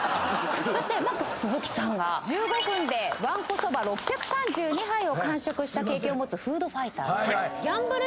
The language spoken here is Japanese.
そしてＭＡＸ鈴木さんが１５分でわんこそば６３２杯を完食した経験を持つフードファイター。